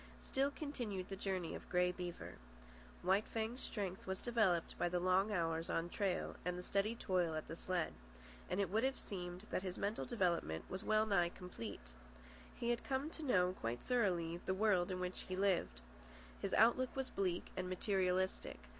Still continued the journey of Grey Beaver. White Fang's strength was developed by the long hours on trail and the steady toil at the sled; and it would have seemed that his mental development was well nigh complete. He had come to know quite thoroughly the world in which he lived. His outlook was bleak and materialistic.